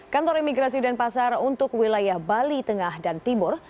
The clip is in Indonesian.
kantor imigrasi udenpasar untuk wilayah bali tengah dan timur